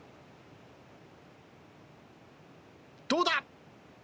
どうだ？